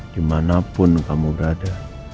dimanapun kamu berada